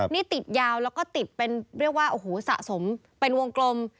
นี่ติดยาวแล้วก็ติดเป็นเรียกว่าโอ้โหสะสมเป็นวงกลม